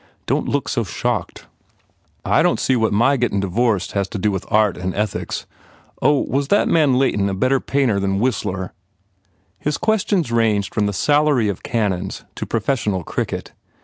Don t look so shocked." "I don t see what my gettin divorced has to do with art and ethics. ... Oh, was this man Leighton a better painter n Whistler?" 35 THE FAIR REWARDS His questions ranged from the salary of canons to professional cricket.